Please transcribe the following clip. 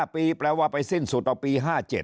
ปีแปลว่าไปสิ้นสุดเอาปี๕๗